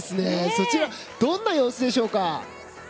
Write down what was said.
そちら、どんな様子でしょうか？